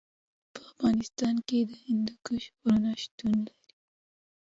په افغانستان کې د هندوکش غرونه شتون لري.